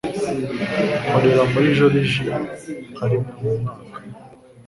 Nkorera muri joriji nka rimwe mu mwaka.